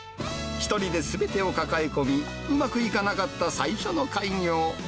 １人ですべてを抱え込み、うまくいかなかった最初の開業。